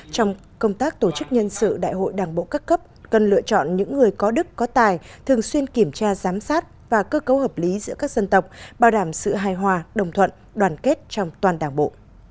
trong công tác tổ chức nhân sự đại hội đảng bộ các cấp cần lựa chọn những người có đức có tài thường xuyên kiểm tra giám sát và cơ cấu hợp lý giữa các dân tộc bảo đảm sự hài hòa đồng thuận đoàn kết trong toàn đảng bộ